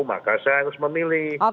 maka saya harus memilih